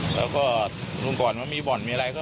แล้วก็ลุงก่อนว่ามีบ่อนมีอะไรก็